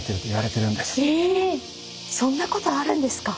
そんなことあるんですか？